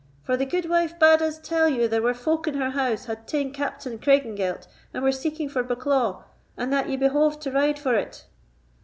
for the gudewife bade us tell ye there were folk in her house had taen Captain Craigengelt, and were seeking for Bucklaw, and that ye behoved to ride for it."